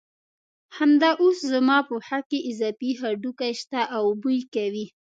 همدا اوس زما په پښه کې اضافي هډوکي شته او بوی کوي.